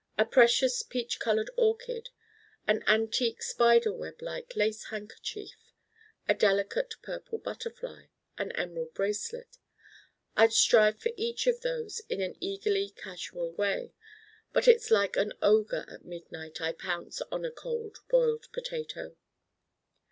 A precious peach colored orchid, an antique spider web like lace handkerchief, a delicate purple butterfly, an emerald bracelet: I'd strive for each of those in an eagerly casual way. But it's like an ogre at midnight I pounce on a Cold Boiled Potato.